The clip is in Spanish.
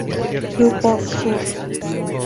Grupo Sur.